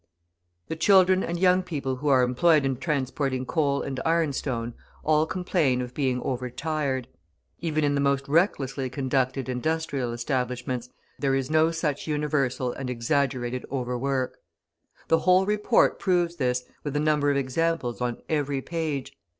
The children and young people who are employed in transporting coal and iron stone all complain of being over tired. Even in the most recklessly conducted industrial establishments there is no such universal and exaggerated overwork. The whole report proves this, with a number of examples on every page.